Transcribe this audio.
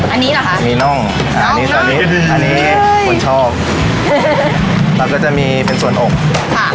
อันนี้เหรอคะมีน่องอันนี้ตัวนี้อันนี้คุณชอบมันก็จะมีเป็นส่วนอกค่ะ